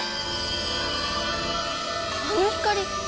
あの光。